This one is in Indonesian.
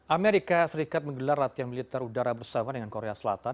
amerika serikat menggelar latihan militer udara bersama dengan korea selatan